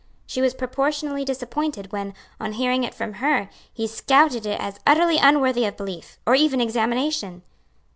She was proportionably disappointed when, on hearing it from her, he scouted it as utterly unworthy of belief, or even examination.